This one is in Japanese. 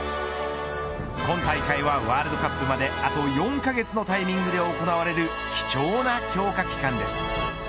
今大会はワールドカップまであと４カ月のタイミングで行われる貴重な強化期間です。